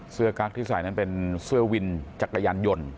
กั๊กที่ใส่นั้นเป็นเสื้อวินจักรยานยนต์